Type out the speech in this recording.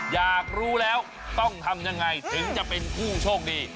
อยากรู้แล้วต้องทำยังไงถึงจะเป็นผู้โชคดี